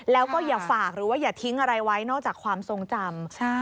แล้วก็อย่าฝากหรือว่าอย่าทิ้งอะไรไว้นอกจากความทรงจำ